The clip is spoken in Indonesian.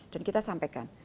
dan kita sampaikan